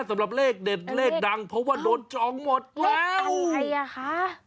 สำหรับเลขเด็ดเลขดังเพราะว่าโดนจองหมดแล้วไงอ่ะคะ